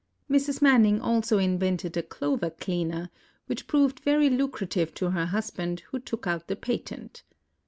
Mrs. Manning also invented a clover cleaner, which proved very lucrative to her husband, who took out the patent.